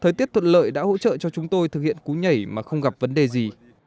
thời tiết thuận lợi đã hỗ trợ cho chúng tôi thực hiện cú nhảy mà không gặp vấn đề gì